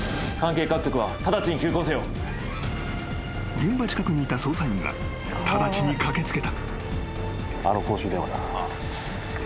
［現場近くにいた捜査員が直ちに駆け付けた］